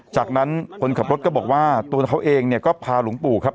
จากนั้นคนขับรถก็บอกว่าตัวเขาเองเนี่ยก็พาหลวงปู่ครับ